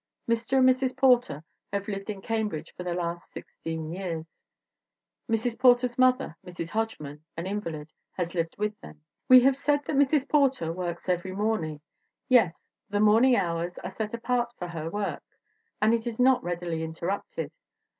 Mr. and Mrs. Porter have lived in Cambridge for the last sixteen years. Mrs. Por ter's mother, Mrs. Hodgman, an invalid, has lived with them. We have said that Mrs. Porter works every morn H2 THE WOMEN WHO MAKE OUR NOVELS ing. Yes, the morning hours are set apart for her work and it is not readily interrupted.